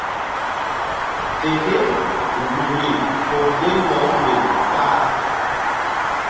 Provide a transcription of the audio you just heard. Fe ke nzukri poŋ ké nzɔŋ gel ta-a.